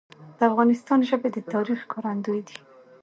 د افغانستان ژبي د تاریخ ښکارندوی دي.